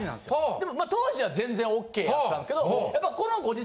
でもまあ当時は全然ＯＫやったんですけどやっぱ。